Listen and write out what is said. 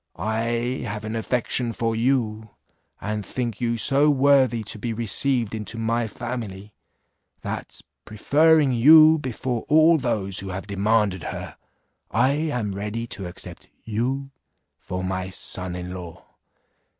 I have an affection for you, and think you so worthy to be received into my family, that, preferring you before all those who have demanded her, I am ready to accept you for my son in law.